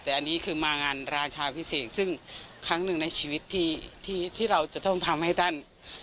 แต่อันนี้คือมางานราชาพิเศษซึ่งครั้งหนึ่งในชีวิตที่เราจะต้องทำให้ท่าน